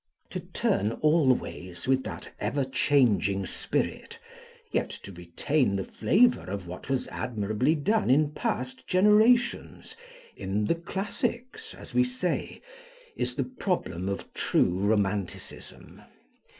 To turn always with that ever changing spirit, yet to retain the flavour of what was admirably done in past generations, in the classics, as we say is the problem of true romanticism.